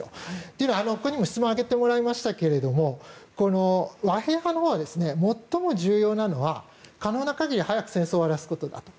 というのは、ここにも質問を挙げてもらいましたがこの和平派のほうは最も重要なのは可能な限り早く戦争を終わらせることだと。